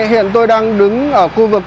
hiện tôi đang đứng ở khu vực